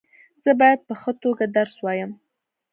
زه باید په ښه توګه درس وایم.